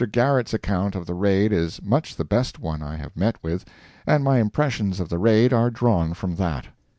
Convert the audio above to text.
Garrett's account of the Raid is much the best one I have met with, and my impressions of the Raid are drawn from that.